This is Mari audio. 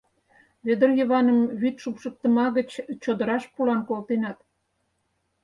Вӧдыр Йываным вӱд шупшыктыма гыч чодыраш пулан колтенат.